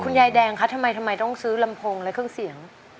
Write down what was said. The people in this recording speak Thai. ยายแดงคะทำไมทำไมต้องซื้อลำโพงและเครื่องเสียง